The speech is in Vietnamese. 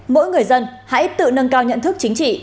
mỗi người dân hãy tự nâng cao nhận thức chính trị